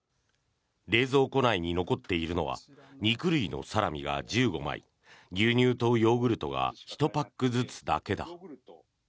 冷蔵庫内に残っているのは肉類のサラミが１５枚牛乳とヨーグルトが１パックずつだけだ。